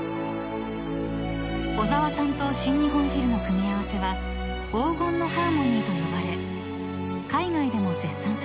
［小澤さんと新日本フィルの組み合わせは黄金のハーモニーと呼ばれ海外でも絶賛されました］